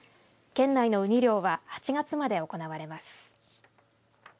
県内のウニ漁は８月まで行われます。